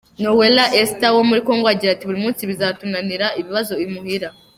Nowela Esther wo muri Congo agira ati” Buri munsi bituzanira ibibazo imuhira.